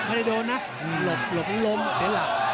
ไม่ได้โดนนะหลบหลงล้มเสียหลัก